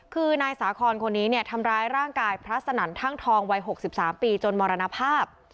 คือนายสาคอนคนนี้เนี่ยทำร้ายร่างกายพระสนันท่างทองวัย๖๓ปีจนมรณภาพ